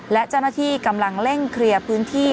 และเจ้าหน้าที่กำลังเร่งเคลียร์พื้นที่